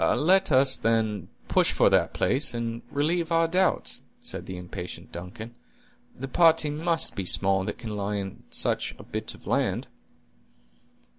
"Let us, then, push for the place, and relieve our doubts," said the impatient Duncan; "the party must be small that can lie on such a bit of land."